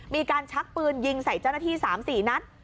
ชักปืนยิงใส่เจ้าหน้าที่๓๔นัด